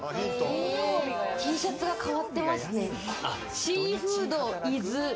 Ｔシャツが変わってますね。